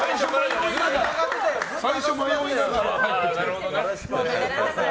最初、迷いながら入ってきて。